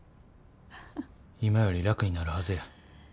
今より楽になるはずや。